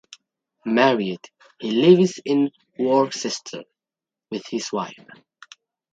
Married, he lives in Worcester with his wife.